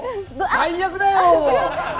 最悪だよ！